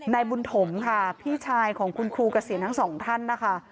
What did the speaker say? ในบุณถมข้าพี่ชายของคุณครูเกษียณทั้ง๒ท่านนะคะ